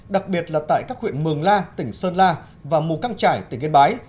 đặc biệt là tại các huyện mường la tỉnh sơn la và mù căng trải tỉnh yên bái